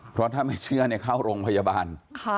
เพราะถ้าไม่เชื่อเข้าโรงพยาบาล